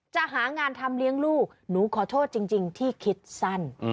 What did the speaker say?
จะหางานทำเลี้ยงลูกหนูขอโทษจริงที่คิดสั้น